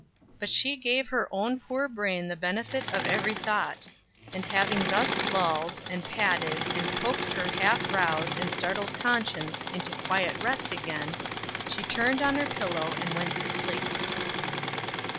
But she gave her own poor brain the benefit of every thought; and having thus lulled, and patted, and coaxed her half roused and startled conscience into quiet rest again, she turned on her pillow and went to sleep.